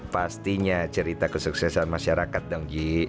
pastinya cerita kesuksesan masyarakat dong ji